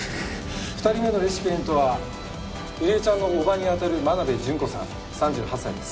２人目のレシピエントはゆりえちゃんの叔母にあたる真鍋純子さん３８歳です。